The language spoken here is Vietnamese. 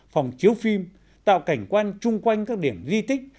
phòng chiếu phim tạo cảnh quan chung quanh các điểm di tích